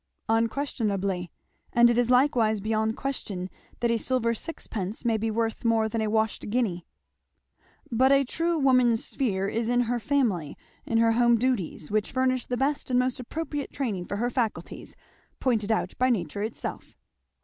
"Unquestionably and it is likewise beyond question that a silver sixpence may be worth more than a washed guinea." "But a woman's true sphere is in her family in her home duties, which furnish the best and most appropriate training for her faculties pointed out by nature itself."